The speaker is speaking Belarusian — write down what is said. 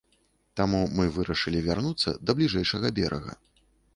Таму мы вырашылі вярнуцца да бліжэйшага берага.